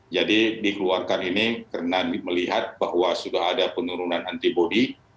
jadi dikeluarkan ini karena melihat bahwa sudah ada penurunan antibody